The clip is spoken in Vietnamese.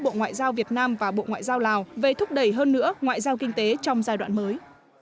bộ ngoại giao việt nam và bộ ngoại giao lào về thúc đẩy hơn nữa ngoại giao kinh tế trong giai đoạn mới